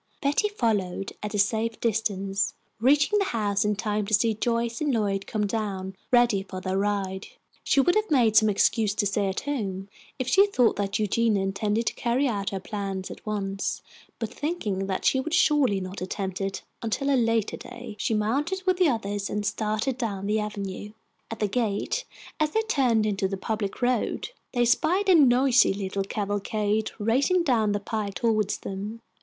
Betty followed at a safe distance, reaching the house in time to see Joyce and Lloyd come down, ready for their ride. She would have made some excuse to stay at home if she thought that Eugenia intended to carry out her plans at once; but thinking she would surely not attempt it until a later day, she mounted with the others and started down the avenue. At the gate, as they turned into the public road, they spied a noisy little cavalcade racing down the pike toward them.